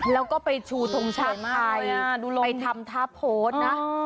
แล้วก็ไปชูทงชาติไทยไปทำท่าโพสต์นะ